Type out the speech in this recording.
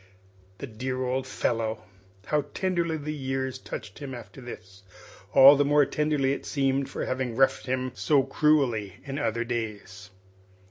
The dear old fellow! How tenderly the years touched him after this all the more tenderly, it seemed, for having roughed him so cruelly in other days!